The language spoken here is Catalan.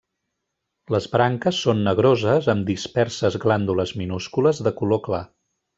Les branques són negroses amb disperses glàndules minúscules de color clar.